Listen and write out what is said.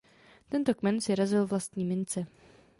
Tento kmen si razil vlastní mince.